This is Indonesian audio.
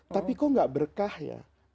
tapi kok gak berkah ya